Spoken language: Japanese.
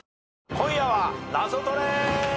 『今夜はナゾトレ』！